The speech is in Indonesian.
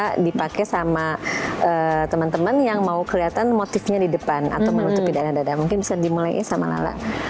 bisa dipakai sama teman teman yang mau kelihatan motifnya di depan atau menutupi dada dada mungkin bisa dimulai sama lala